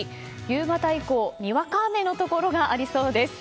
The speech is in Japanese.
夕方以降、にわか雨のところがありそうです。